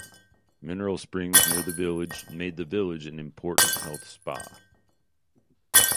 Mineral springs near the village made the village an important health spa.